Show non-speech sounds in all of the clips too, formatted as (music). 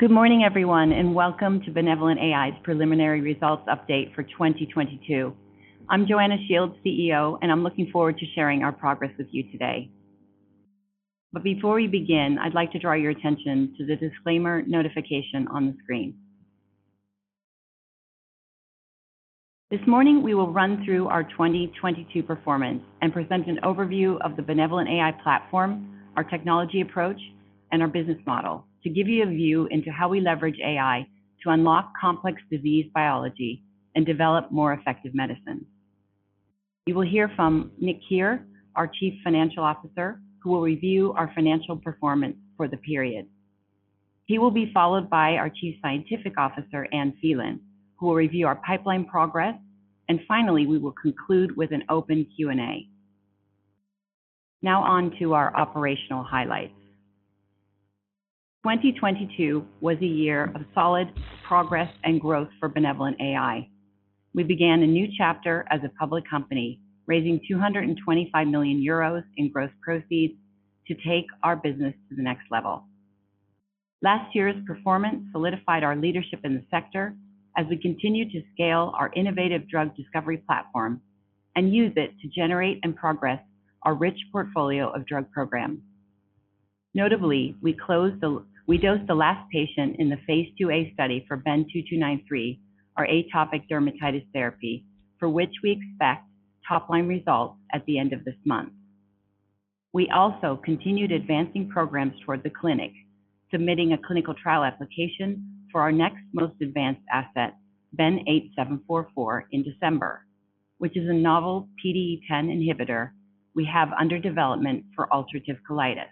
Good morning everyone and Welcome to BenevolentAI's Preliminary Results Update for 2022. Before we begin, I'd like to draw your attention to the disclaimer notification on the screen. This morning, we will run through our 2022 performance and present an overview of the BenevolentAI platform, our technology approach, and our business model to give you a view into how we leverage AI to unlock complex disease biology and develop more effective medicines. You will hear from Nick Keher, our Chief Financial Officer, who will review our financial performance for the period. He will be followed by our Chief Scientific Officer, Anne Phelan, who will review our pipeline progress, and finally, we will conclude with an open Q&A. Now on to our operational highlights. 2022 was a year of solid progress and growth for BenevolentAI. We began a new chapter as a public company, raising 225 million euros in gross proceeds to take our business to the next level. Last year's performance solidified our leadership in the sector as we continued to scale our innovative drug discovery platform and use it to generate and progress our rich portfolio of drug programs. Notably, we dosed the last patient in the Phase 2a study for BEN-2293, our atopic dermatitis therapy, for which we expect top-line results at the end of this month. We also continued advancing programs towards the clinic, submitting a clinical trial application for our next most advanced asset, BEN-8744, in December, which is a novel PDE10 inhibitor we have under development for ulcerative colitis.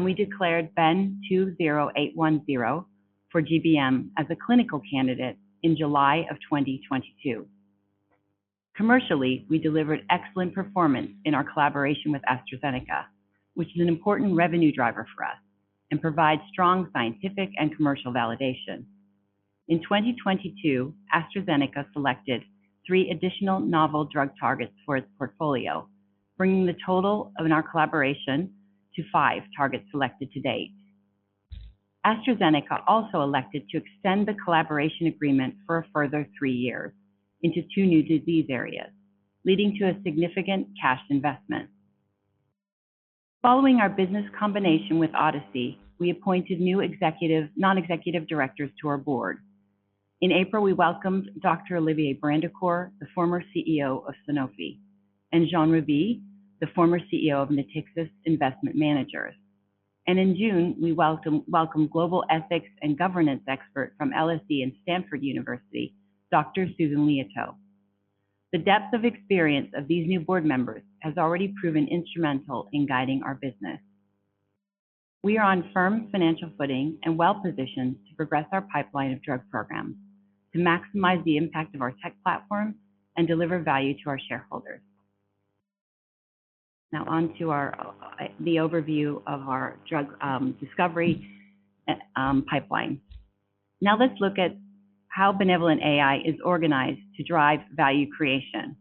We declared BEN-28010 for GBM as a clinical candidate in July of 2022. Commercially, we delivered excellent performance in our collaboration with AstraZeneca, which is an important revenue driver for us and provides strong scientific and commercial validation. In 2022, AstraZeneca selected three additional novel drug targets for its portfolio, bringing the total in our collaboration to five targets selected to date. AstraZeneca also elected to extend the collaboration agreement for a further three years into two new disease areas, leading to a significant cash investment. Following our business combination with Odyssey Acquisition S.A., we appointed new non-executive directors to our board. In April, we welcomed Dr. Olivier Brandicourt, the former CEO of Sanofi, and Jean Raby, the former CEO of Natixis Investment Managers. In June, we welcomed global ethics and governance expert from LSE and Stanford University, Dr. Susan Liautaud. The depth of experience of these new board members has already proven instrumental in guiding our business. We are on firm financial footing and well-positioned to progress our pipeline of drug programs, to maximize the impact of our tech platform and deliver value to our shareholders. On to the overview of our drug discovery pipeline. Let's look at how BenevolentAI is organized to drive value creation.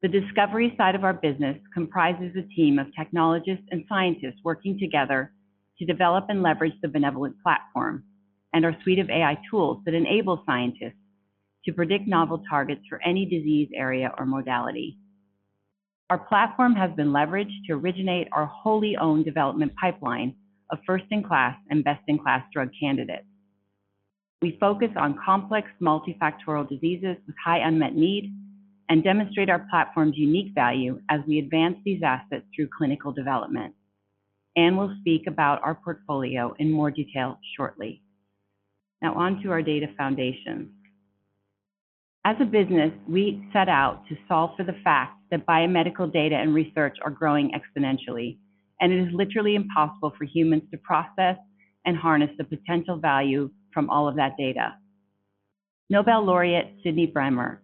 The discovery side of our business comprises a team of technologists and scientists working together to develop and leverage the Benevolent Platform and our suite of AI tools that enable scientists to predict novel targets for any disease area or modality. Our platform has been leveraged to originate our wholly-owned development pipeline of first-in-class and best-in-class drug candidates. We focus on complex multifactorial diseases with high unmet need and demonstrate our platform's unique value as we advance these assets through clinical development, and we'll speak about our portfolio in more detail shortly. Now on to our data foundations. As a business, we set out to solve for the fact that biomedical data and research are growing exponentially, and it is literally impossible for humans to process and harness the potential value from all of that data. Nobel laureate Sydney Brenner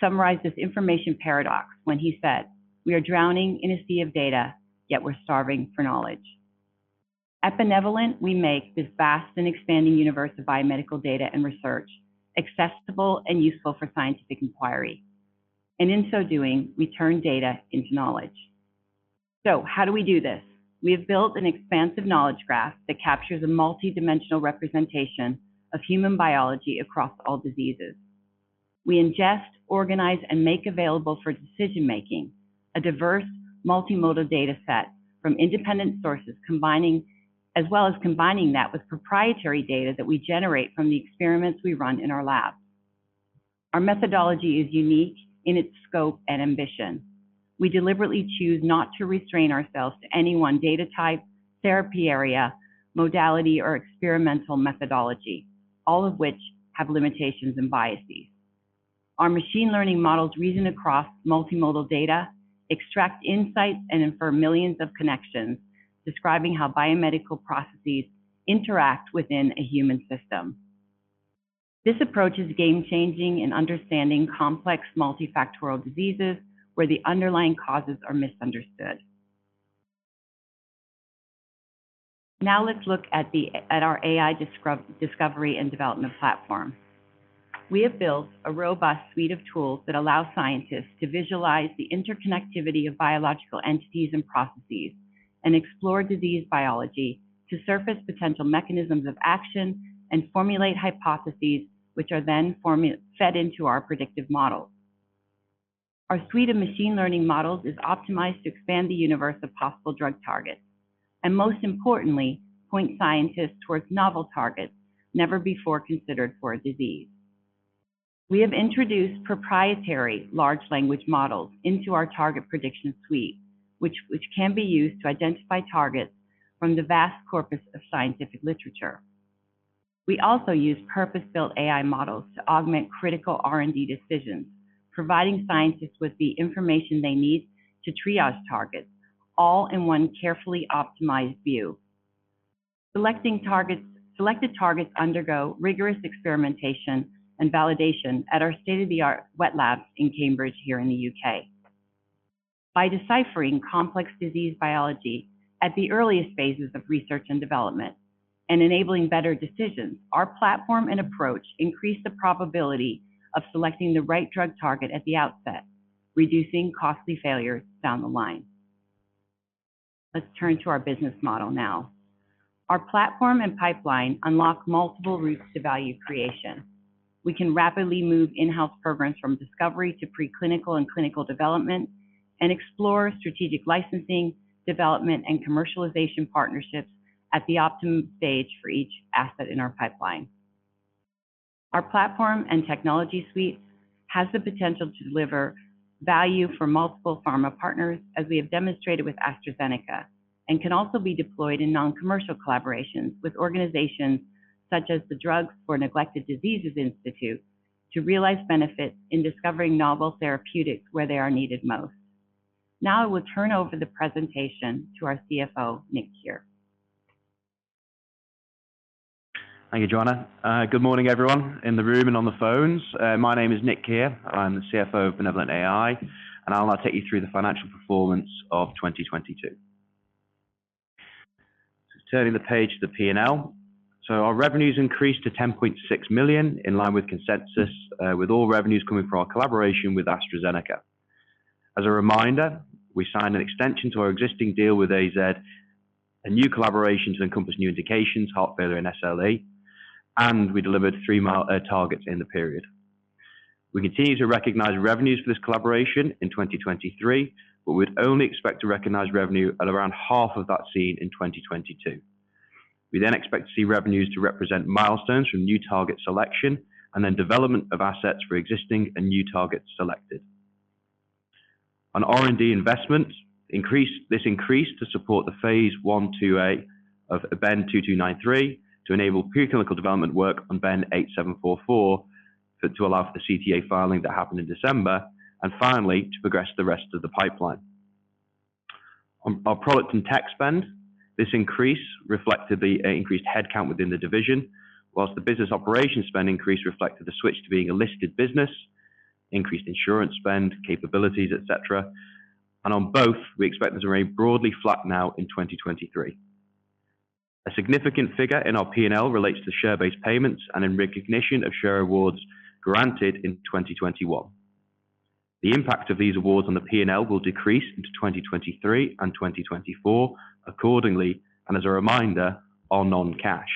summarized this information paradox when he said, "We are drowning in a sea of data, yet we're starving for knowledge." At Benevolent, we make this vast and expanding universe of biomedical data and research accessible and useful for scientific inquiry. In so doing, we turn data into knowledge. How do we do this? We have built an expansive knowledge graph that captures a multidimensional representation of human biology across all diseases. We ingest, organize, and make available for decision-making a diverse multimodal dataset from independent sources, as well as combining that with proprietary data that we generate from the experiments we run in our lab. Our methodology is unique in its scope and ambition. We deliberately choose not to restrain ourselves to any one data type, therapy area, modality, or experimental methodology, all of which have limitations and biases. Our machine learning models reason across multimodal data, extract insights, and infer millions of connections, describing how biomedical processes interact within a human system. This approach is game-changing in understanding complex multifactorial diseases where the underlying causes are misunderstood. Now let's look at our AI discovery and development platform. We have built a robust suite of tools that allow scientists to visualize the interconnectivity of biological entities and processes and explore disease biology to surface potential mechanisms of action and formulate hypotheses, which are then fed into our predictive models. Our suite of machine learning models is optimized to expand the universe of possible drug targets, and most importantly, point scientists towards novel targets never before considered for a disease. We have introduced proprietary large language models into our target prediction suite, which can be used to identify targets from the vast corpus of scientific literature. We also use purpose-built AI models to augment critical R&D decisions, providing scientists with the information they need to triage targets, all in one carefully optimized view. Selected targets undergo rigorous experimentation and validation at our state-of-the-art wet labs in Cambridge here in the UK. By deciphering complex disease biology at the earliest phases of research and development and enabling better decisions, our platform and approach increase the probability of selecting the right drug target at the outset, reducing costly failures down the line. Let's turn to our business model now. Our platform and pipeline unlock multiple routes to value creation. We can rapidly move in-house programs from discovery to preclinical and clinical development and explore strategic licensing, development, and commercialization partnerships at the optimum stage for each asset in our pipeline. Our platform and technology suite has the potential to deliver value for multiple pharma partners, as we have demonstrated with AstraZeneca, and can also be deployed in non-commercial collaborations with organizations such as the Drugs for Neglected Diseases initiative to realize benefits in discovering novel therapeutics where they are needed most. I will turn over the presentation to our CFO, Nick Keher. Thank you, Joanna. Good morning, everyone in the room and on the phones. My name is Nick Keher. I'm the CFO of BenevolentAI, and I'll now take you through the financial performance of 2022. Just turning the page to the P&L. Our revenues increased to 10.6 million in line with consensus, with all revenues coming from our collaboration with AstraZeneca. As a reminder, we signed an extension to our existing deal with AZ, a new collaboration to encompass new indications, heart failure, and ALS, and we delivered three mile targets in the period. We continue to recognize revenues for this collaboration in 2023, but we'd only expect to recognize revenue at around half of that seen in 2022. We expect to see revenues to represent milestones from new target selection and then development of assets for existing and new targets selected. On R&D investments increased to support the Phase I/IIa of BEN-2293 to enable preclinical development work on BEN-8744 to allow for the CTA filing that happened in December to progress the rest of the pipeline. On our product and tech spend, this increase reflected the increased headcount within the division, whilst the business operations spend increase reflected the switch to being a listed business, increased insurance spend, capabilities, et cetera. On both, we expect them to remain broadly flat now in 2023. A significant figure in our P&L relates to share-based payments and in recognition of share awards granted in 2021. The impact of these awards on the P&L will decrease into 2023 and 2024 accordingly. As a reminder, are non-cash.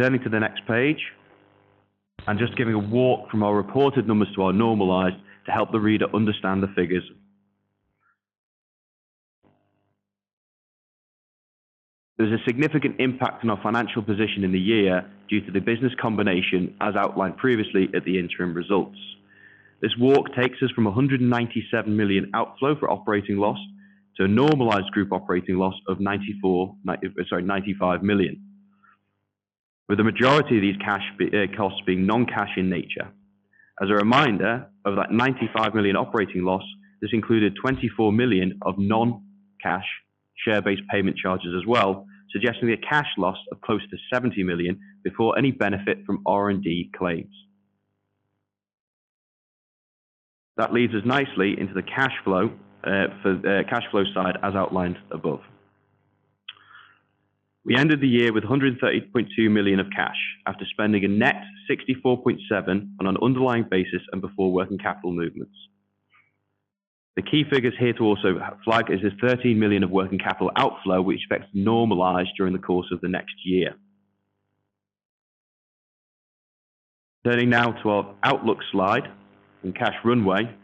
Turning to the next page. I'm just giving a walk from our reported numbers to our normalized to help the reader understand the figures. There's a significant impact on our financial position in the year due to the business combination, as outlined previously at the interim results. This walk takes us from a 197 million outflow for operating loss to a normalized group operating loss of 95 million. With the majority of these costs being non-cash in nature. As a reminder of that 95 million operating loss, this included 24 million of non-cash share-based payment charges as well, suggesting a cash loss of close to 70 million before any benefit from R&D claims. That leads us nicely into the cash flow for the cash flow side, as outlined above. We ended the year with 138.2 million of cash after spending a net 64.7 million on an underlying basis and before working capital movements. The key figures here to also flag is this 13 million of working capital outflow, which expects to normalize during the course of the next year. Turning now to our outlook slide and cash runway.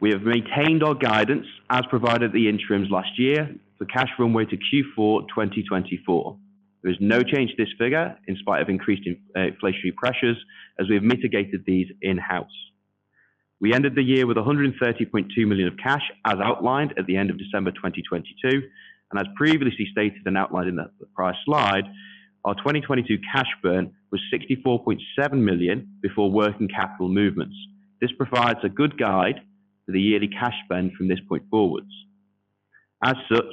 We have maintained our guidance as provided at the interims last year for cash runway to Q4 2024. There is no change to this figure in spite of increased inflationary pressures as we have mitigated these in-house. We ended the year with 130.2 million of cash, as outlined at the end of December 2022. As previously stated and outlined in that, the prior slide, our 2022 cash burn was 64.7 million before working capital movements. This provides a good guide for the yearly cash burn from this point forwards. As such,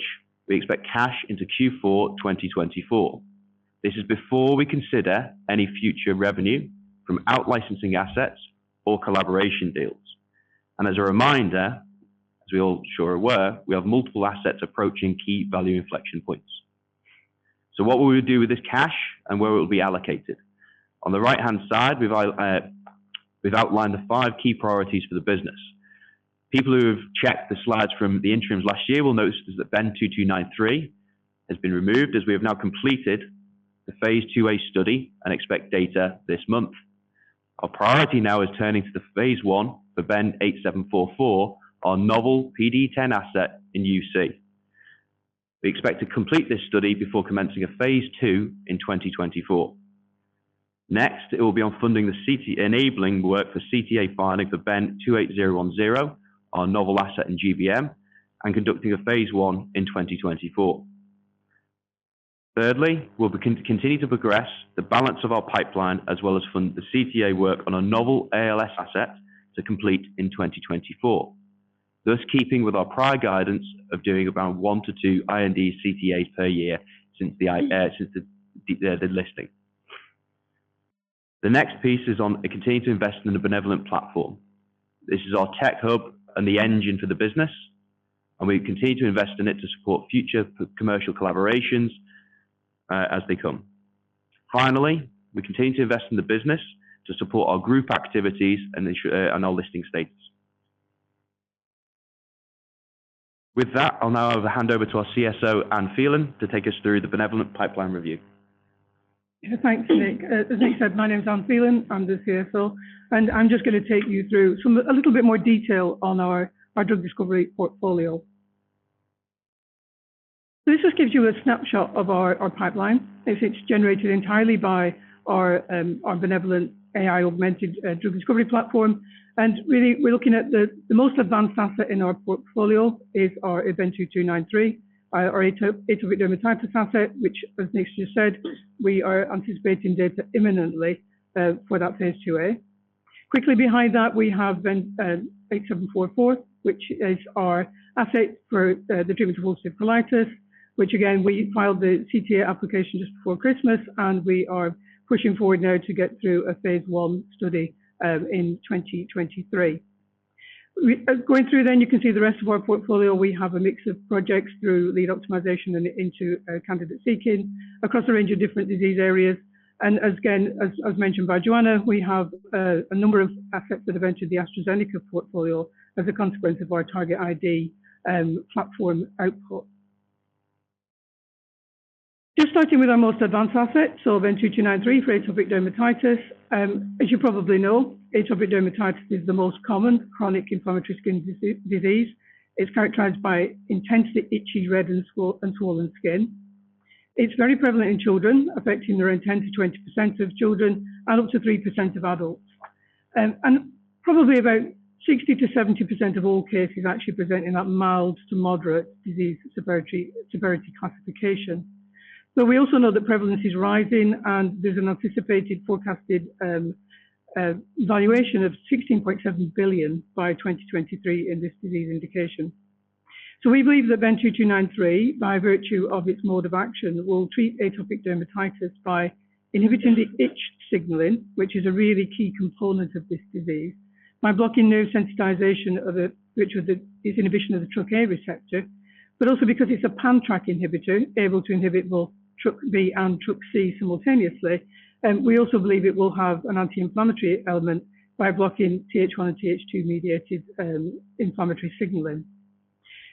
we expect cash into Q4 2024. This is before we consider any future revenue from out-licensing assets or collaboration deals. As a reminder, as we all sure were, we have multiple assets approaching key value inflection points. What will we do with this cash and where it will be allocated? On the right-hand side, we've outlined the five key priorities for the business. People who have checked the slides from the interims last year will notice that BEN-2293 has been removed as we have now completed the Phase 2a study and expect data this month. Our priority now is turning to the Phase 1 for BEN-8744, our novel PDE10 asset in UC. We expect to complete this study before commencing a Phase 2 in 2024. It will be on funding the enabling work for CTA filing for BEN-28010, our novel asset in GBM, and conducting a Phase 1 in 2024. Thirdly, we'll continue to progress the balance of our pipeline as well as fund the CTA work on a novel ALS asset to complete in 2024. Thus keeping with our prior guidance of doing about one to two IND CTAs per year since the listing. The next piece is on continue to invest in the Benevolent platform. This is our tech hub and the engine for the business, and we continue to invest in it to support future commercial collaborations as they come. Finally, we continue to invest in the business to support our group activities and our listing status. With that, I'll now hand over to our CSO, Anne Phelan, to take us through the Benevolent pipeline review. Thanks, Nick. As Nick said, my name is Anne Phelan. I'm the CSO, and I'm just gonna take you through some, a little bit more detail on our drug discovery portfolio. This just gives you a snapshot of our pipeline as it's generated entirely by our BenevolentAI augmented drug discovery platform. Really, we're looking at the most advanced asset in our portfolio is our BEN-2293 atopic dermatitis asset, which as Nick just said, we are anticipating data imminently for that Phase 2a. Quickly behind that, we have BEN-8744, which is our asset for the treatment of ulcerative colitis, which again, we filed the CTA application just before Christmas. We are pushing forward now to get through a Phase 1 study in 2023. Going through then you can see the rest of our portfolio. We have a mix of projects through lead optimization and into candidate seeking across a range of different disease areas. As again, as mentioned by Joanna, we have a number of assets that have entered the AstraZeneca portfolio as a consequence of our target ID platform output. Just starting with our most advanced asset, BEN-2293 for atopic dermatitis. As you probably know, atopic dermatitis is the most common chronic inflammatory skin disease. It's characterized by intensely itchy, red and swollen skin. It's very prevalent in children, affecting around 10% to 20% of children and up to 3% of adults. Probably about 60% to 70% of all cases actually present in that mild to moderate disease severity classification. We also know that prevalence is rising, and there's an anticipated forecasted valuation of $16.7 billion by 2023 in this disease indication. We believe that BEN-2293, by virtue of its mode of action, will treat atopic dermatitis by inhibiting the itch signaling, which is a really key component of this disease, by blocking neurosensitization of the inhibition of the TrkA receptor. Also because it's a pan-Trk inhibitor, able to inhibit both TrkB and TrkC simultaneously. We also believe it will have an anti-inflammatory element by blocking Th1 and Th2 mediated inflammatory signaling.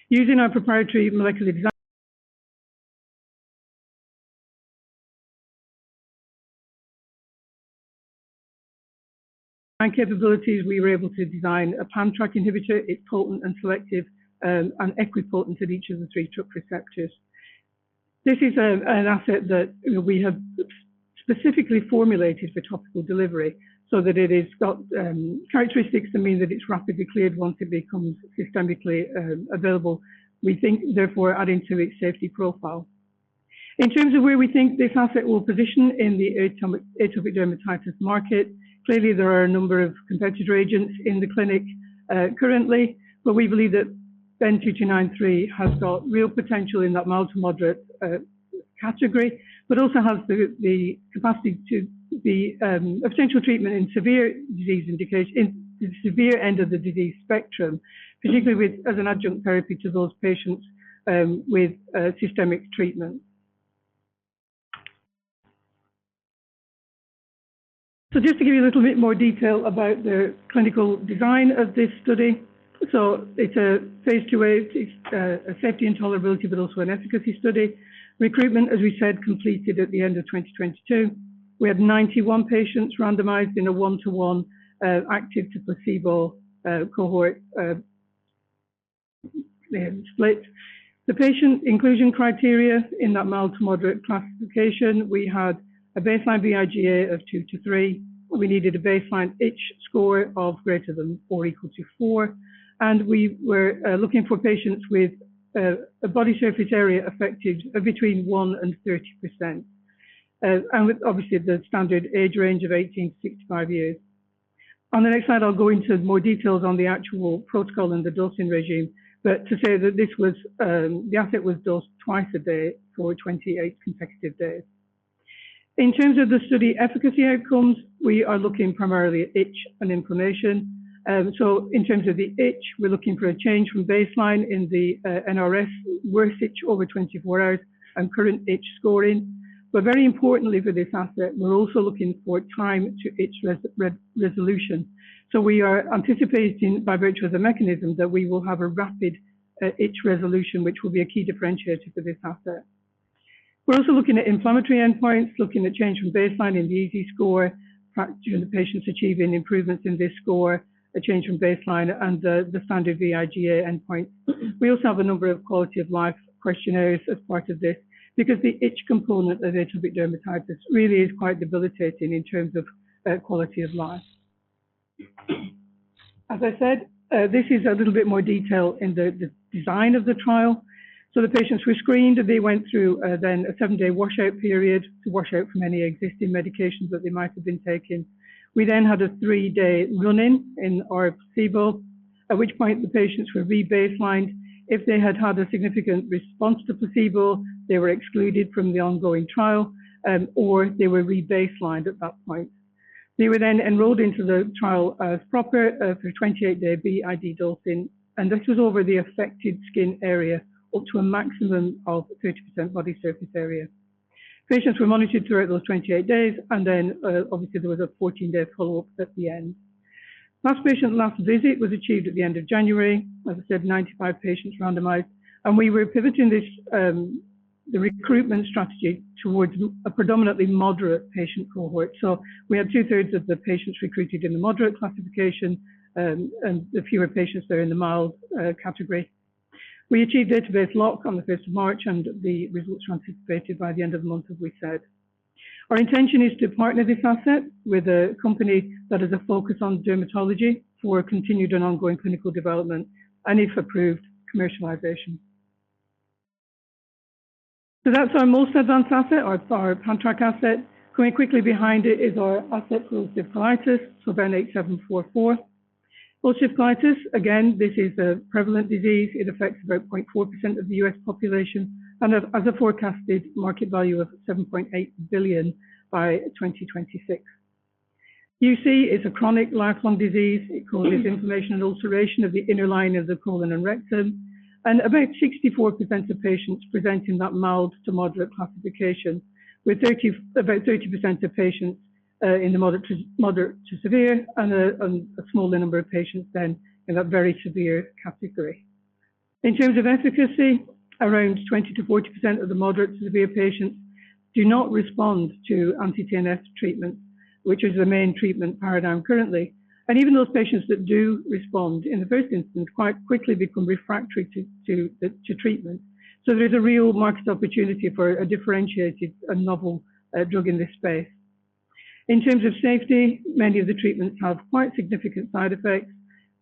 Using our proprietary molecular design capabilities, we were able to design a pan-Trk inhibitor. It's potent and selective and equipotent of each of the three Trk receptors. This is an asset that, you know, we have specifically formulated for topical delivery so that it has got characteristics that mean that it's rapidly cleared once it becomes systemically available. We think therefore adding to its safety profile. In terms of where we think this asset will position in the atopic dermatitis market, clearly there are a number of competitor agents in the clinic currently, but we believe that BEN-2293 has got real potential in that mild to moderate category, but also has the capacity to be a potential treatment in severe end of the disease spectrum, particularly with as an adjunct therapy to those patients with systemic treatment. Just to give you a little bit more detail about the clinical design of this study. It's a Phase 2a. It's a safety and tolerability, but also an efficacy study. Recruitment, as we said, completed at the end of 2022. We had 91 patients randomized in a 1-to-1 active to placebo cohort split. The patient inclusion criteria in that mild to moderate classification, we had a baseline vIGA-AD of two to three. We needed a baseline itch score of greater than or equal to four. We were looking for patients with a body surface area affected between 1% and 30%. With obviously the standard age range of 18-65 years. On the next slide, I'll go into more details on the actual protocol and the dosing regime. To say that this was, the asset was dosed twice a day for 28 consecutive days. In terms of the study efficacy outcomes, we are looking primarily at itch and inflammation. In terms of the itch, we're looking for a change from baseline in the NRS worst itch over 24 hours and current itch scoring. Very importantly for this asset, we're also looking for time to itch resolution. We are anticipating by virtue of the mechanism that we will have a rapid itch resolution, which will be a key differentiator for this asset. We're also looking at inflammatory endpoints, looking at change from baseline in the EASI score, practicing the patients achieving improvements in this score, a change from baseline and the standard VIGA endpoint. We also have a number of quality of life questionnaires as part of this because the itch component of atopic dermatitis really is quite debilitating in terms of quality of life. As I said, this is a little bit more detail in the design of the trial. The patients were screened, they went through a seven-day washout period to wash out from any existing medications that they might have been taking. We had a three-day run-in in our placebo, at which point the patients were rebaselined. If they had had a significant response to placebo, they were excluded from the ongoing trial, or they were rebaselined at that point. They were enrolled into the trial as proper for a 28-day BID dosing, and this was over the affected skin area up to a maximum of 30% body surface area. Patients were monitored throughout those 28 days, and then, obviously, there was a 14-day follow-up at the end. Last patient's last visit was achieved at the end of January. As I said, 95 patients randomized. We were pivoting this the recruitment strategy towards a predominantly moderate patient cohort. We had 2/3 of the patients recruited in the moderate classification, and a fewer patients there in the mild category. We achieved database lock on the 5 March 2022, and the results were anticipated by the end of the month, as we said. Our intention is to partner this asset with a company that has a focus on dermatology for continued and ongoing clinical development and if approved, commercialization. That's our most advanced asset, our contract asset. Coming quickly behind it is our asset for ulcerative colitis, BEN-8744. Ulcerative colitis, again, this is a prevalent disease. It affects about 0.4% of the US population and has a forecasted market value of $7.8 billion by 2026. UC is a chronic lifelong disease. It causes inflammation and ulceration of the inner line of the colon and rectum. About 64% of patients present in that mild to moderate classification, with about 30% of patients in the moderate to severe and a smaller number of patients in a very severe category. In terms of efficacy, around 20% to 40% of the moderate to severe patients do not respond to anti-TNF treatment, which is the main treatment paradigm currently. Even those patients that do respond in the first instance, quite quickly become refractory to treatment. There's a real market opportunity for a differentiated and novel drug in this space. In terms of safety, many of the treatments have quite significant side effects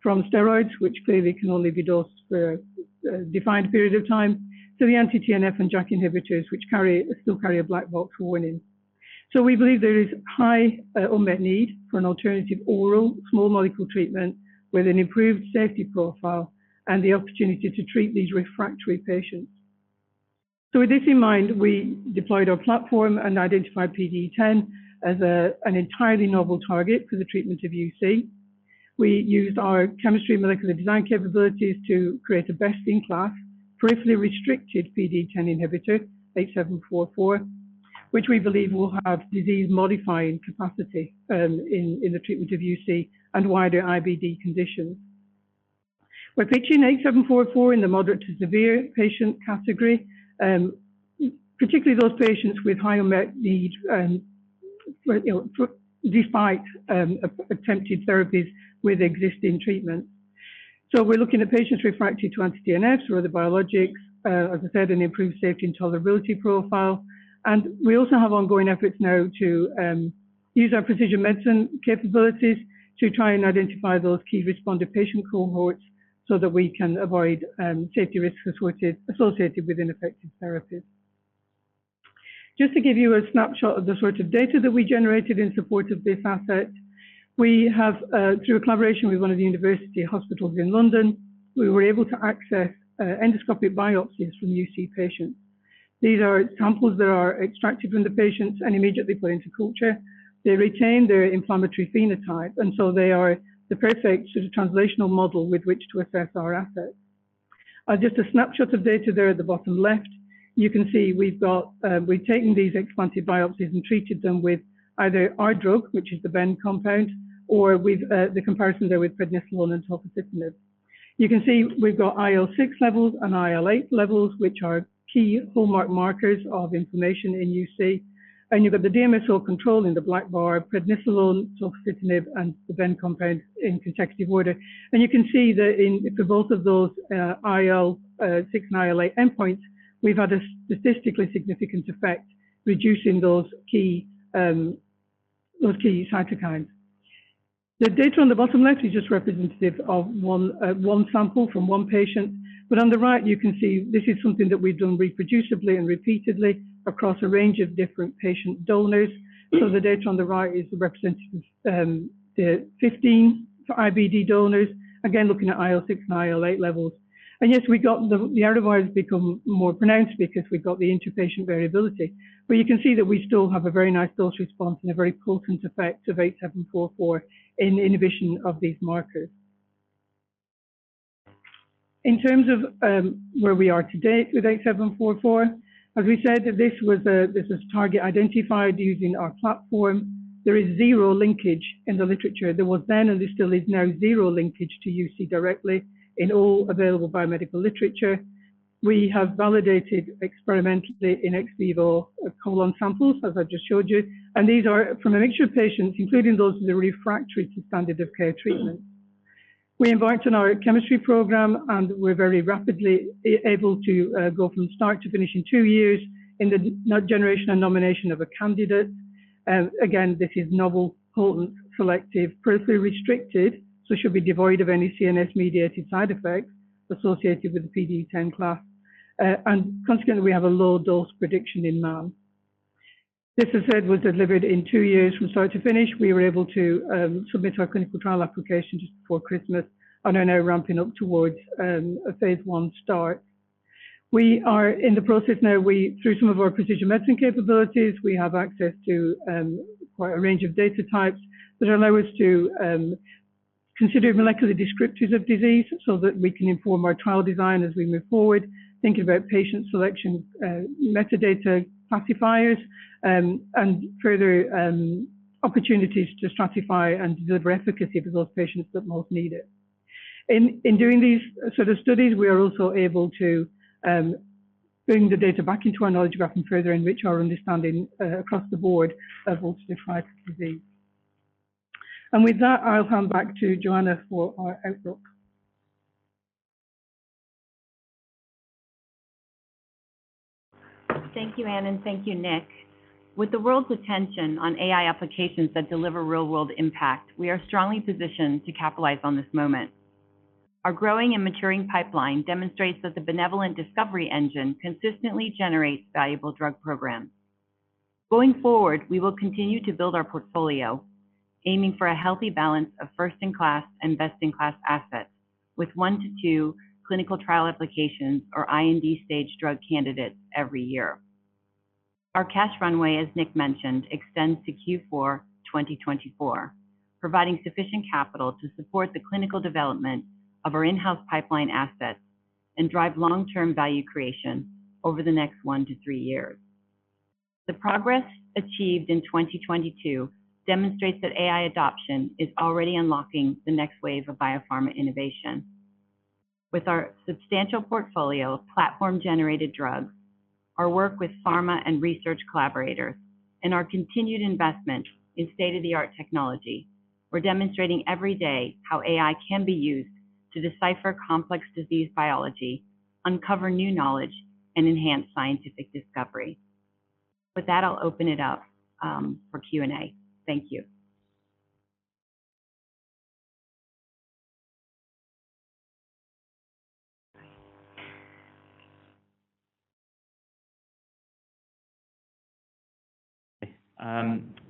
from steroids, which clearly can only be dosed for a defined period of time, to the anti-TNF and JAK inhibitors, which still carry a black box warning. We believe there is high unmet need for an alternative oral small molecule treatment with an improved safety profile and the opportunity to treat these refractory patients. With this in mind, we deployed our platform and identified PDE10 as an entirely novel target for the treatment of UC. We used our chemistry and molecular design capabilities to create a best-in-class, peripherally restricted PDE10 inhibitor, H-744, which we believe will have disease-modifying capacity in the treatment of UC and wider IBD conditions. We're taking H-744 in the moderate to severe patient category, you know, despite attempted therapies with existing treatments. We're looking at patients refractory to anti-TNF or other biologics, as I said, an improved safety and tolerability profile. We also have ongoing efforts now to use our precision medicine capabilities to try and identify those key responder patient cohorts so that we can avoid safety risks associated with ineffective therapies. Just to give you a snapshot of the sorts of data that we generated in support of this asset, we have through a collaboration with one of the university hospitals in London, we were able to access endoscopic biopsies from UC patients. These are samples that are extracted from the patients and immediately put into culture. They retain their inflammatory phenotype. They are the perfect sort of translational model with which to assess our assets. Just a snapshot of data there at the bottom left. You can see we've got, we've taken these expanded biopsies and treated them with either our drug, which is the BEN compound, or with the comparison there with prednisolone and tocilizumab. You can see we've got IL-6 levels and IL-8 levels, which are key hallmark markers of inflammation in UC. You've got the DMSO control in the black bar, prednisolone, tocilizumab, and the BEN compound in consecutive order. You can see that for both of those, IL-6 and IL-8 endpoints, we've had a statistically significant effect reducing those key, those key cytokines. The data on the bottom left is just representative of one sample from one patient. On the right, you can see this is something that we've done reproducibly and repeatedly across a range of different patient donors. The data on the right is representative of and the 15 IBD donors, again, looking at IL-6 and IL-8 levels. Yes, we got the error bar has become more pronounced because we've got the interpatient variability. You can see that we still have a very nice dose response and a very potent effect of BEN-8744 in inhibition of these markers. In terms of where we are today with BEN-8744, as we said, this is target identified using our platform. There is zero linkage in the literature. There was then, and there still is now, zero linkage to UC directly in all available biomedical literature. We have validated experimentally in ex vivo colon samples, as I just showed you. These are from a mixture of patients, including those with a refractory to standard of care treatment. We embarked on our chemistry program, and we're very rapidly able to go from start to finish in two years in the generation and nomination of a candidate. Again, this is novel, potent, selective, peripherally restricted, should be devoid of any CNS-mediated side effects associated with the PDE10 class. Consequently, we have a low dose prediction in man. This, as said, was delivered in two years from start to finish. We were able to submit our clinical trial application just before Christmas and are now ramping up towards a Phase I start. We are in the process now. We through some of our precision medicine capabilities, we have access to quite a range of data types that allow us to consider molecular descriptors of disease so that we can inform our trial design as we move forward, think about patient selection, metadata classifiers, and further opportunities to stratify and deliver efficacy to those patients that most need it. In doing these sort of studies, we are also able to bring the data back into our knowledge graph and further enrich our understanding across the board of ulcerative colitis disease. With that, I'll hand back to Joanna for our outlook. Thank you, Anne, and thank you, Nick. With the world's attention on AI applications that deliver real-world impact, we are strongly positioned to capitalize on this moment. Our growing and maturing pipeline demonstrates that the Benevolent discovery engine consistently generates valuable drug programs. Going forward, we will continue to build our portfolio, aiming for a healthy balance of first-in-class and best-in-class assets, with one to two clinical trial applications or IND-stage drug candidates every year. Our cash runway, as Nick mentioned, extends to Q4 2024, providing sufficient capital to support the clinical development of our in-house pipeline assets and drive long-term value creation over the next one to three years. The progress achieved in 2022 demonstrates that AI adoption is already unlocking the next wave of biopharma innovation. With our substantial portfolio of platform-generated drugs, our work with pharma and research collaborators, and our continued investment in state-of-the-art technology, we're demonstrating every day how AI can be used to decipher complex disease biology, uncover new knowledge, and enhance scientific discovery. With that, I'll open it up for Q&A. Thank you.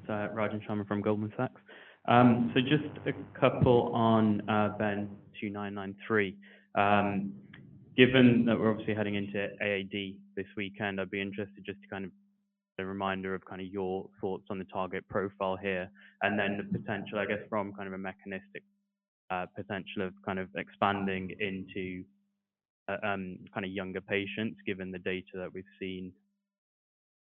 Rajan Sharma from Goldman Sachs. Just a couple on BEN-2293. Given that we're obviously heading into AAD this weekend, I'd be interested just to kind of get a reminder of kind of your thoughts on the target profile here and then the potential, I guess, from kind of a mechanistic potential of kind of expanding into kind of younger patients, given the data that we've seen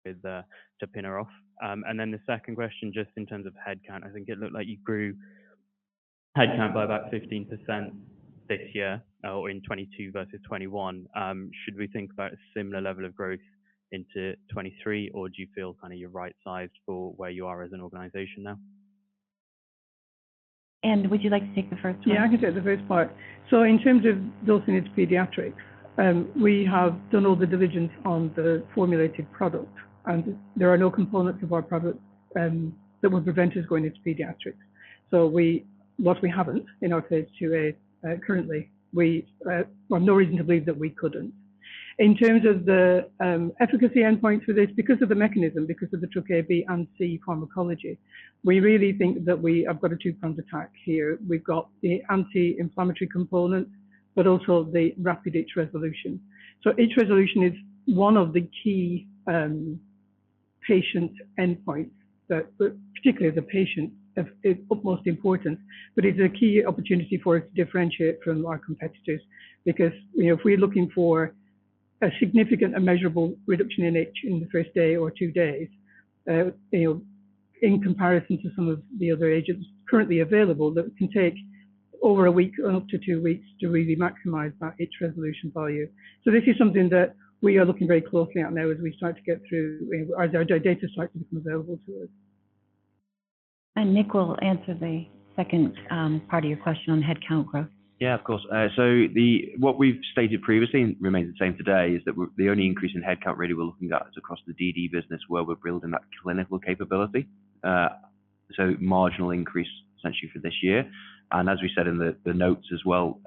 with tapinarof. The second question, just in terms of headcount, I think it looked like you grew headcount by about 15% this year or in 2022 versus 2021. Should we think about a similar level of growth into 2023, or do you feel kind of you're right-sized for where you are as an organization now? Anne, would you like to take the first one? Yeah, I can take the first part. In terms of dosing into pediatrics, we have done all the diligence on the formulated product, there are no components of our product that would prevent us going into pediatrics. What we haven't in our Phase 2a currently, we have no reason to believe that we couldn't. In terms of the efficacy endpoint for this, because of the mechanism, because of the TrkB and TrkC pharmacology, we really think that we have got a two-pronged attack here. We've got the anti-inflammatory component, but also the rapid itch resolution. Itch resolution is one of the key patient endpoints that particularly is of utmost importance. It's a key opportunity for us to differentiate from our competitors because, you know, if we're looking for a significant and measurable reduction in itch in the first day or two days, you know, in comparison to some of the other agents currently available that can take over a week or up to two weeks to really maximize that itch resolution value. This is something that we are looking very closely at now as our data starts to become available to us. Nick will answer the second part of your question on headcount growth. Yeah, of course. What we've stated previously and remains the same today is that the only increase in headcount really we're looking at is across the DD business where we're building that clinical capability. Marginal increase essentially for this year. As we said in the notes as well,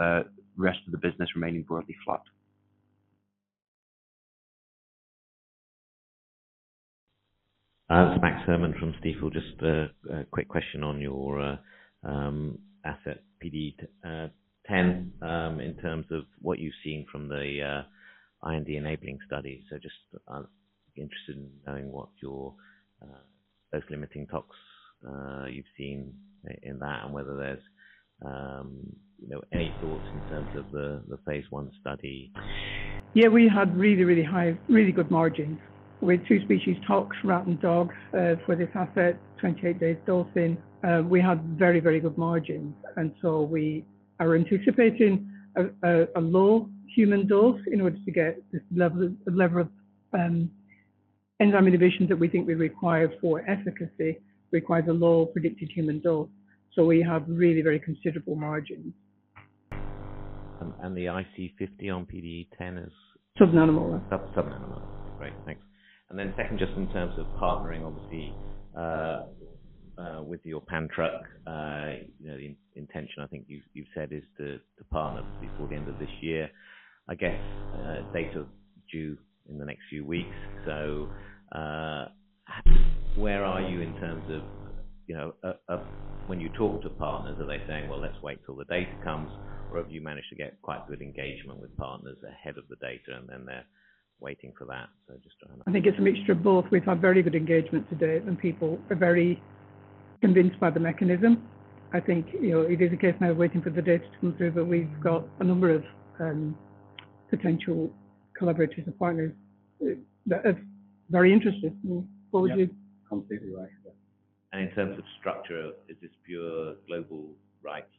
rest of the business remaining broadly flat. This is Max Herrmann from Stifel. Just a quick question on your asset PDE10, in terms of what you've seen from the IND-enabling study. Just interested in knowing what your dose-limiting talks you've seen in that and whether there's, you know, any thoughts in terms of the Phase 1 study. Yeah, we had really good margins with two species tox, rat and dog, for this asset, 28 days dosing. We had very, very good margins. We are anticipating a low human dose in order to get this level of enzyme inhibitions that we think we require for efficacy, requires a low predicted human dose. We have really very considerable margins. And the IC50 on PDE10 is? Sub-nanomolar. Sub-sub-nanomolar. Great. Thanks. Second, just in terms of partnering, obviously, with your pan-Trk, you know, the intention, I think you've said is to partner before the end of this year. I guess, data due in the next few weeks. Where are you in terms of, you know, when you talk to partners, are they saying, "Well, let's wait till the data comes," or have you managed to get quite good engagement with partners ahead of the data and then they're waiting for that? Just trying to. I think it's a mixture of both. We've had very good engagement to date. People are very convinced by the mechanism. I think, you know, it is a case now of waiting for the data to come through. We've got a number of potential collaborators and partners that are very interested. What would you. Yep. Completely right. In terms of structure, is this pure global rights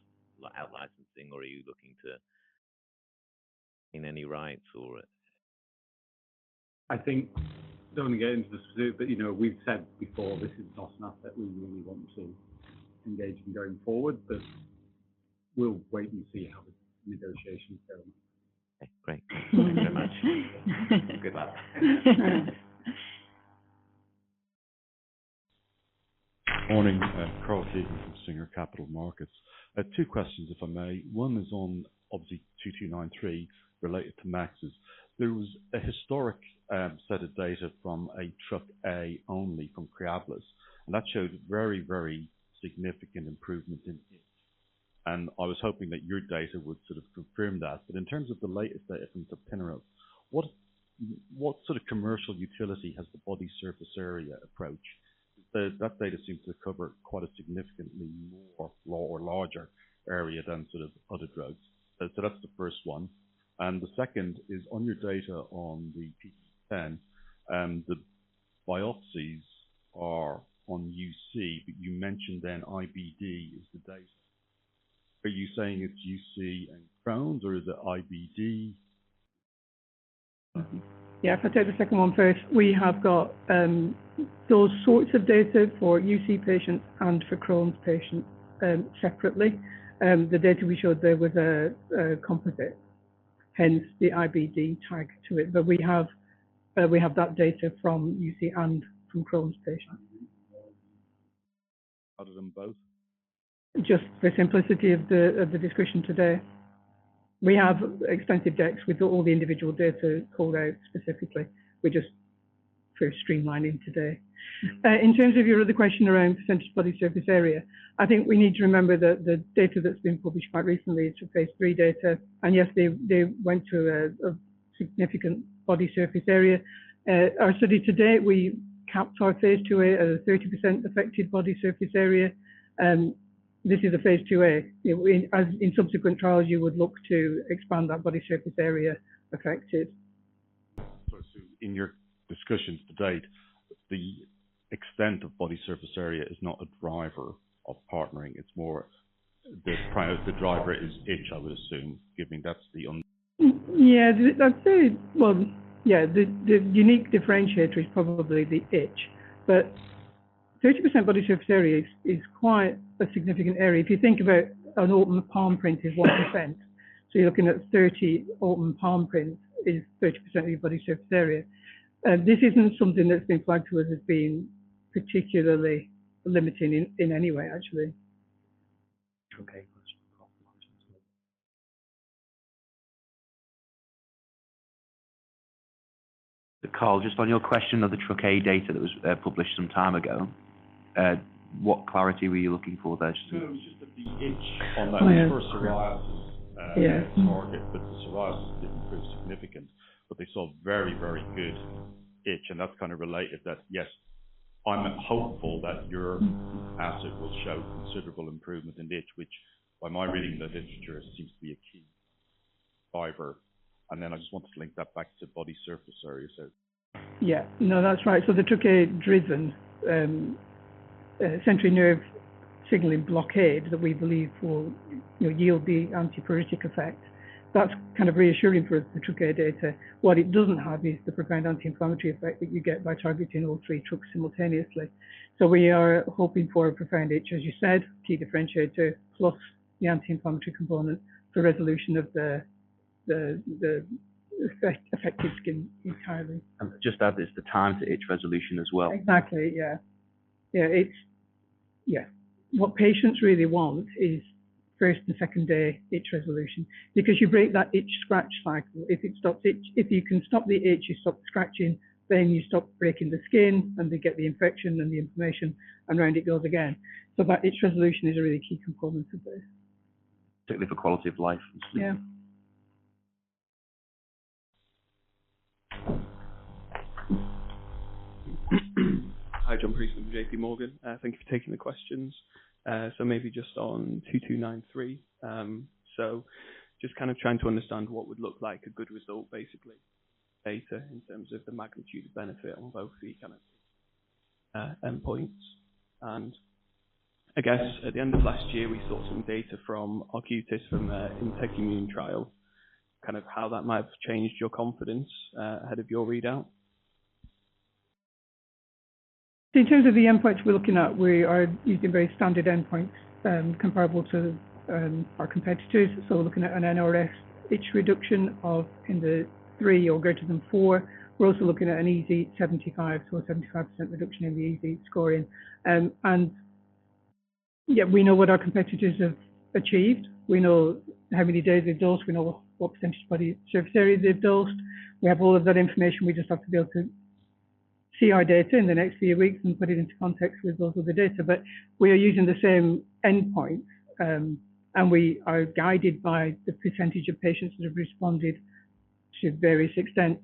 out-licensing or are you looking to in any rights or? I think, don't want to get into the specifics, but, you know, we've said before this is not an asset we really want to engage in going forward, but we'll wait and see how the negotiations go. (crosstalk) Great. Thank you so much. Good luck. Morning. Charles Pitman from Singer Capital Markets. I have two questions, if I may. One is on obviously BEN-2293 related to Max Herrmann's. There was a historic set of data from a TrkA only from Creabilis, and that showed very, very significant improvement in itch. I was hoping that your data would sort of confirm that. In terms of the latest data from tapinarof, what sort of commercial utility has the body surface area approach? That data seems to cover quite a significantly more or larger area than sort of other drugs. That's the first one. The second is on your data on the PDE10, the biopsies are on UC, but you mentioned then IBD is the data. Are you saying it's UC and Crohn's or is it IBD? Yeah. If I take the second one first, we have got those sorts of data for UC patients and for Crohn's patients separately. The data we showed there was a composite, hence the IBD tag to it. We have that data from UC and from Crohn's patients. Other than both? Just the simplicity of the, of the discussion today. We have extensive decks. We've got all the individual data called out specifically. We're just very streamlining today. In terms of your other question around percentage body surface area, I think we need to remember that the data that's been published quite recently, it's Phase 3 data, and yes, they went to a significant body surface area. Our study to date, we capped our Phase 2a at a 30% affected body surface area. This is a Phase 2a. In subsequent trials, you would look to expand that body surface area affected. In your discussions to date, the extent of body surface area is not a driver of partnering. It's more the driver is itch, I would assume, given that's the on. Yeah. I'd say, well, yeah. The, the unique differentiator is probably the itch, but 30% body surface area is quite a significant area. If you think about an open palm print is 1%, so you're looking at 30 open palm prints is 30% of your body surface area. This isn't something that's been flagged to us as being particularly limiting in any way, actually. Okay. Carl, just on your question of the TrkA data that was published some time ago, what clarity were you looking for there? No, it was just that the itch on that first psoriasis target, the psoriasis didn't prove significant, but they saw very, very good itch and that's kind of related that, yes, I'm hopeful that your asset will show considerable improvement in itch, which by my reading of the literature seems to be a key driver. I just wanted to link that back to body surface area. Yeah. No, that's right. The TrkA drives a sensory nerve signaling blockade that we believe will, you know, yield the antipruritic effect. That's kind of reassuring for the TrkA data. What it doesn't have is the profound anti-inflammatory effect that you get by targeting all three TrkA simultaneously. We are hoping for a profound itch, as you said, key differentiator, plus the anti-inflammatory component for resolution of the affected skin entirely. Just add this, the time to itch resolution as well. Exactly. Yeah. What patients really want is first and second day itch resolution because you break that itch scratch cycle. If you can stop the itch, you stop scratching, then you stop breaking the skin, and they get the infection and the inflammation and round it goes again. That itch resolution is a really key component of this. Particularly for quality of life and sleep. Yeah. Hi, Jo Walton from JPMorgan. Thank you for taking the questions. Maybe just on 2293. Just kind of trying to understand what would look like a good result, basically data in terms of the magnitude of benefit on both the kind of, endpoints. I guess at the end of last year, we saw some data from Arcutis from their INTEGUMENT trial, kind of how that might have changed your confidence, ahead of your readout. In terms of the endpoints we're looking at, we are using very standard endpoints, comparable to our competitors. We're looking at an NRS itch reduction of in the three or greater than four. We're also looking at an EASI-75. A 75% reduction in the EASI scoring. Yeah, we know what our competitors have achieved. We know how many days they've dosed. We know what percentage body surface area they've dosed. We have all of that information. We just have to be able to see our data in the next few weeks and put it into context with those other data. We are using the same endpoint, and we are guided by the percentage of patients that have responded to various extents,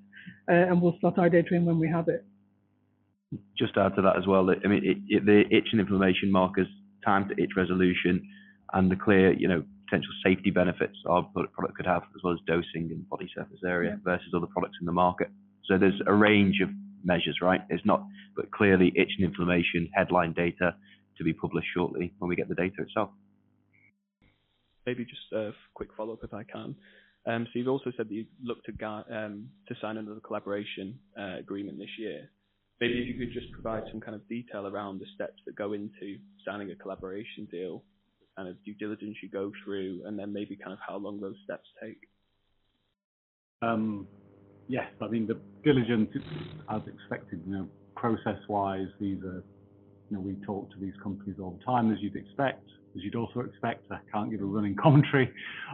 and we'll slot our data in when we have it. Just to add to that as well. I mean, it, the itch and inflammation markers, time to itch resolution and the clear, you know, potential safety benefits our product could have as well as dosing and body surface area versus other products in the market. There's a range of measures, right? It's not, but clearly itch and inflammation headline data to be published shortly when we get the data itself. Maybe just a quick follow-up, if I can. You've also said that you'd look to sign another collaboration agreement this year. Maybe if you could just provide some kind of detail around the steps that go into signing a collaboration deal and the due diligence you go through and then maybe kind of how long those steps take? Yes. I mean, the diligence as expected, you know, process-wise. You know, we talk to these companies all the time, as you'd expect. As you'd also expect, I can't give a running commentary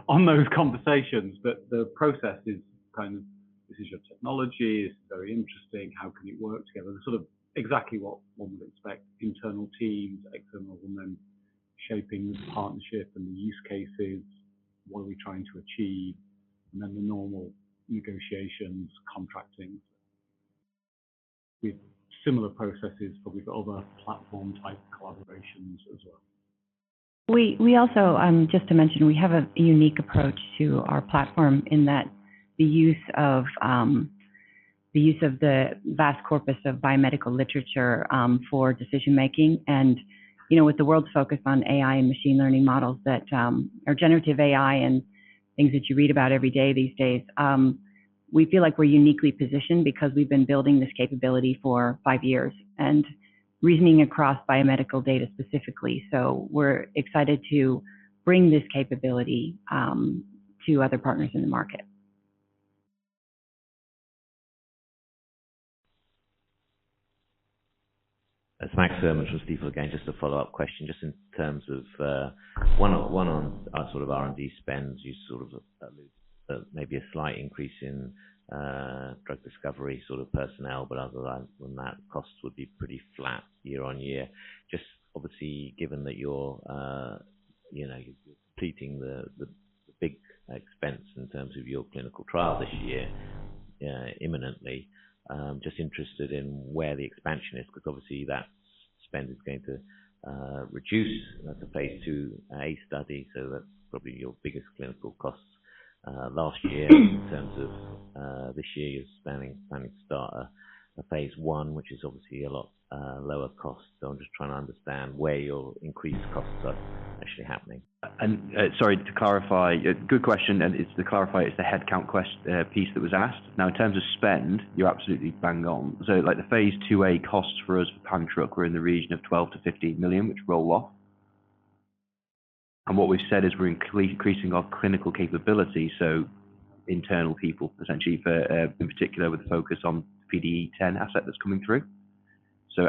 on those conversations, but the process is kind of, "This is your technology. It's very interesting. How can it work together?" Exactly what one would expect. Internal teams, external women shaping the partnership and the use cases. What are we trying to achieve? Then the normal negotiations, contracting. With similar processes, but with other platform-type collaborations as well. We also, just to mention, we have a unique approach to our platform in that the use of the vast corpus of biomedical literature for decision-making. You know, with the world's focus on AI and machine learning models that, or generative AI and things that you read about every day these days, we feel like we're uniquely positioned because we've been building this capability for five years and reasoning across biomedical data specifically. We're excited to bring this capability to other partners in the market. Thanks so much. It's Max fromStifel. Just a follow-up question, just in terms of, one on, one on, sort of R&D spends. You sort of alluded maybe a slight increase in drug discovery sort of personnel, but other than that, costs would be pretty flat year-on-year. Just obviously, given that you're, you know, completing the big expense in terms of your clinical trial this year, imminently, just interested in where the expansion is, 'cause obviously that spend is going to reduce the Phase 2a study. That's probably your biggest clinical costs last year. In terms of, this year, you're planning to start a Phase I, which is obviously a lot lower cost. I'm just trying to understand where your increased costs are actually happening. Sorry to clarify. Good question. It's to clarify, it's the headcount piece that was asked. In terms of spend, you're absolutely bang on. Like the Phase 2a costs for us with pan-Trk were in the region of 12-15 million, which roll off. What we've said is we're increasing our clinical capability, so internal people essentially for, in particular with the focus on PDE10 asset that's coming through.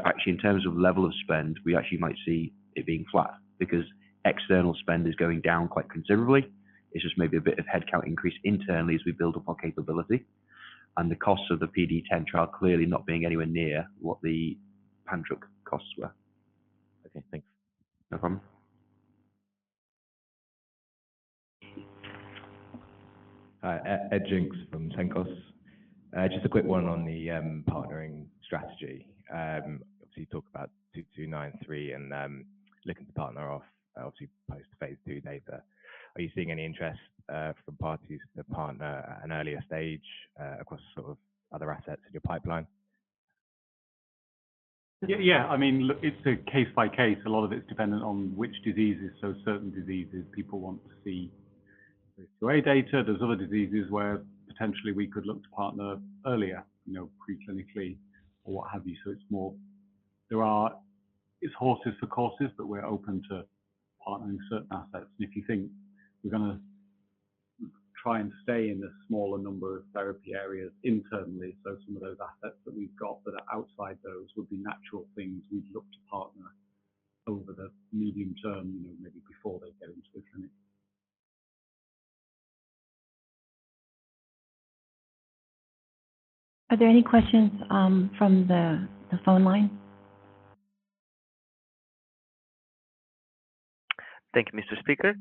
Actually in terms of level of spend, we actually might see it being flat because external spend is going down quite considerably. It's just maybe a bit of headcount increase internally as we build up our capability. The cost of the PDE10 trial clearly not being anywhere near what the pan-Trk costs were. Okay, thanks. No problem. Hi. (inaudible) Just a quick one on the partnering strategy. Obviously you talk about BEN-2293 and looking to partner off obviously post-Phase 2 data. Are you seeing any interest from parties to partner at an earlier stage across sort of other assets in your pipeline? Yeah. I mean, look, it's a case by case. A lot of it's dependent on which diseases. Certain diseases people want to see Phase 2a data. There's other diseases where potentially we could look to partner earlier, you know, pre-clinically or what have you. It's more. It's horses for courses, but we're open to partnering certain assets. If you think we're gonna try and stay in a smaller number of therapy areas internally. Some of those assets that we've got that are outside those would be natural things we'd look to partner over the medium term, you know, maybe before they get into a clinic. Are there any questions from the phone line? Thank you, Mr. Speaker.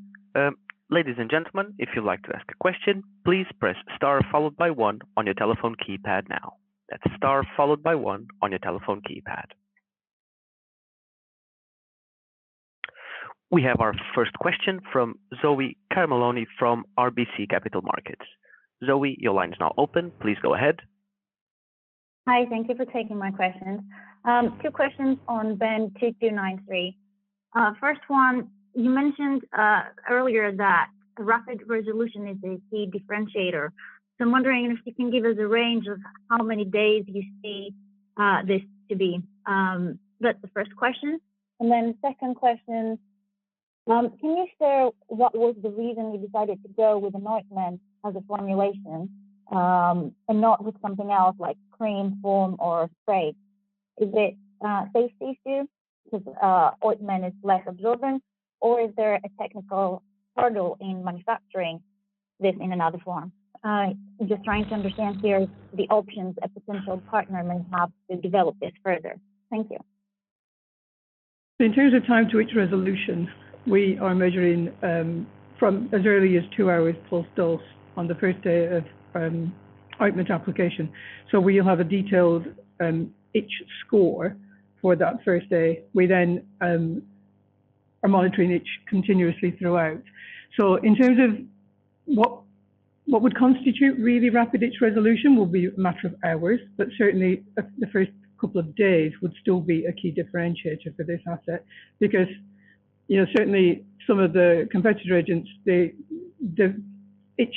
Ladies and gentlemen, if you'd like to ask a question, please press Star followed by one on your telephone keypad now. That's Star followed by one on your telephone keypad. We have our first question from Zoe Karamanoli from RBC Capital Markets. Zoe, your line is now open. Please go ahead. Hi. Thank you for taking my questions. Two questions on BEN-2293. First one, you mentioned earlier that rapid resolution is a key differentiator. I'm wondering if you can give us a range of how many days you see this to be. That's the first question. Second question, can you share what was the reason you decided to go with an ointment as a formulation and not with something else like cream, foam, or spray? Is it safety issue 'cause ointment is less absorbent, or is there a technical hurdle in manufacturing this in another form? Just trying to understand here the options a potential partner may have to develop this further. Thank you. In terms of time to itch resolution, we are measuring, from as early as two hours post-dose on the first day of ointment application. We'll have a detailed itch score for that first day. We then are monitoring itch continuously throughout. In terms of what would constitute really rapid itch resolution will be a matter of hours, but certainly the first couple of days would still be a key differentiator for this asset. Because, you know, certainly some of the competitor agents, the itch,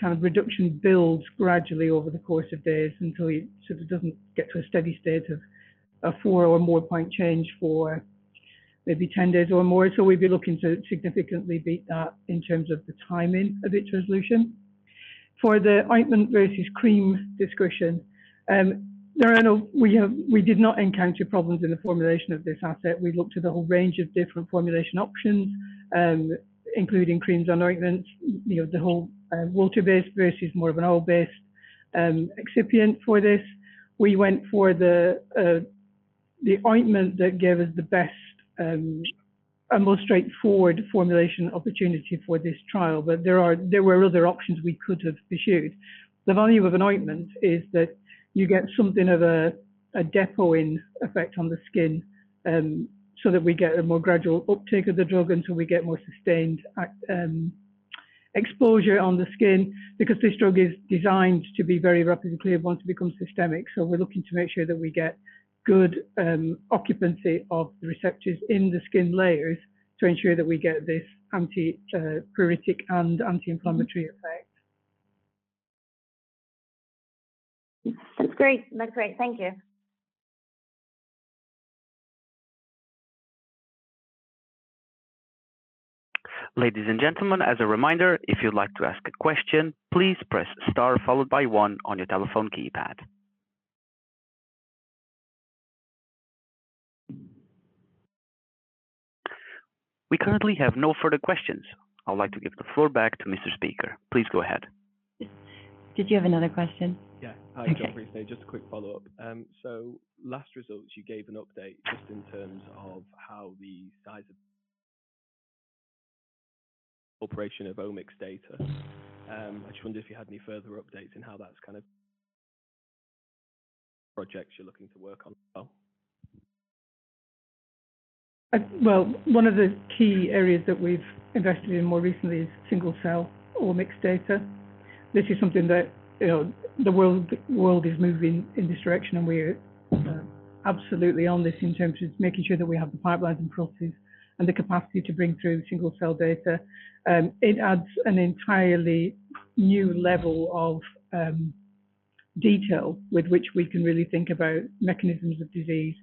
kind of, reduction builds gradually over the course of days until you sort of doesn't get to a steady state of a four or more point change for maybe 10 days or more. We'd be looking to significantly beat that in terms of the timing of itch resolution. For the ointment versus cream discretion, We did not encounter problems in the formulation of this asset. We looked at a whole range of different formulation options, including creams and ointments, you know, the whole water-based versus more of an oil-based excipient for this. We went for the ointment that gave us the best most straightforward formulation opportunity for this trial. There were other options we could have pursued. The value of an ointment is that you get something of a depo-ing effect on the skin, so that we get a more gradual uptake of the drug until we get more sustained exposure on the skin. Because this drug is designed to be very rapidly cleared once it becomes systemic, so we're looking to make sure that we get good occupancy of the receptors in the skin layers to ensure that we get this anti-pruritic and anti-inflammatory effect. That's great. That's great. Thank you. Ladies and gentlemen, as a reminder, if you'd like to ask a question, please press Star followed by 1 on your telephone keypad. We currently have no further questions. I'd like to give the floor back to Mr. Speaker. Please go ahead. Did you have another question? Yeah. Okay. Hi. (inaudible) Just a quick follow-up. Last results, you gave an update just in terms of operation of omics data. I just wonder if you had any further updates in projects you're looking to work on as well? Well, one of the key areas that we've invested in more recently is single-cell or mixed data. This is something that, you know, the world is moving in this direction, and we're absolutely on this in terms of making sure that we have the pipelines and processes and the capacity to bring through single-cell data. It adds an entirely new level of detail with which we can really think about mechanisms of disease,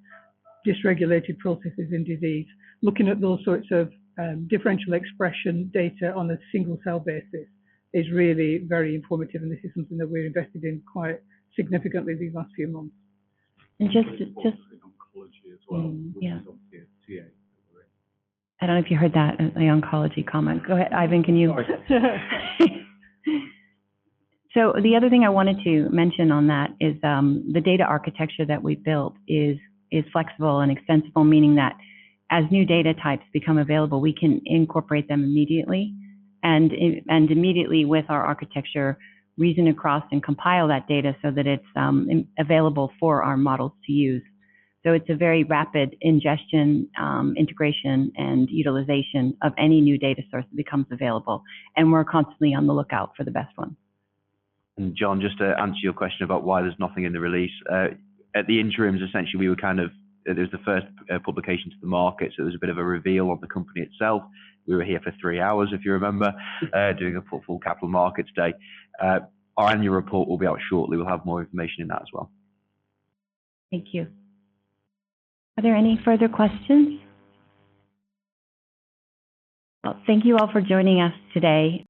dysregulated processes in disease. Looking at those sorts of differential expression data on a single-cell basis is really very informative, and this is something that we're invested in quite significantly these last few months. And just to (crosstalk) Oncology as well. Yeah. On CA, I agree. I don't know if you heard that, the oncology comment. Go ahead, Ivan. Sorry. The other thing I wanted to mention on that is, the data architecture that we built is flexible and extensible, meaning that as new data types become available, we can incorporate them immediately and immediately with our architecture, reason across and compile that data so that it's available for our models to use. It's a very rapid ingestion, integration, and utilization of any new data source that becomes available, and we're constantly on the lookout for the best ones. John, just to answer your question about why there's nothing in the release. At the interims, essentially, we were. It was the first publication to the market, so it was a bit of a reveal of the company itself. We were here for three hours, if you remember, doing a full Capital Markets Day. Our annual report will be out shortly. We'll have more information in that as well. Thank you. Are there any further questions? Well, thank you all for joining us today.